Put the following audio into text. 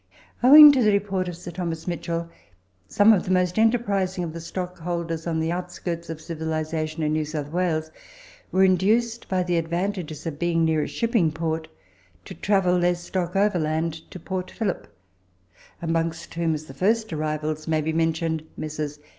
Owing to the report of Sir Thomas Mitchell, some of the most enterprising of the stock holders on the outskirts of civili zation in New South Wales were induced, by the advantages of being near a shipping port, to travel their stock overland to Port Phillip, amongst whom, as the first arrivals, may be mentioned Messrs.